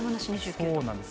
そうなんです。